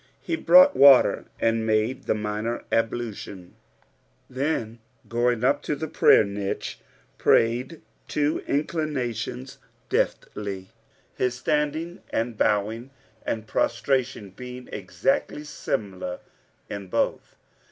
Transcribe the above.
He brought water and made the minor ablution, then, going up to the prayer niche, prayed two inclinations deftly, his standing and bowing and prostration being exactly similar in both.